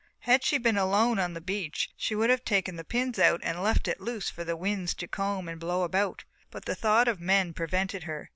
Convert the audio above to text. Had she been alone on the beach she would have taken the pins out and left it loose for the winds to comb and blow about, but the thought of the men prevented her.